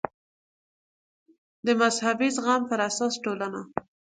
د مذهبي زغم پر اساس ټولنه